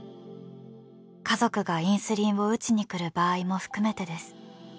家族がインスリンを打ちに来る場合も含めてです。